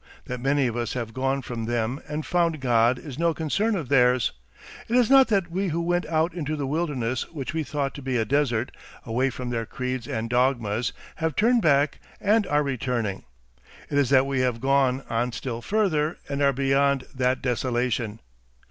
That many of us have gone from them and found God is no concern of theirs. It is not that we who went out into the wilderness which we thought to be a desert, away from their creeds and dogmas, have turned back and are returning. It is that we have gone on still further, and are beyond that desolation.